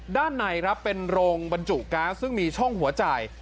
ด้านในครับเป็นโรงบรรจุก๊าซซึ่งมีช่องหัวจ่าย